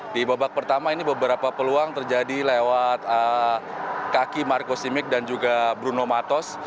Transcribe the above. di babak pertama ini beberapa peluang terjadi lewat kaki marco simic dan juga bruno matos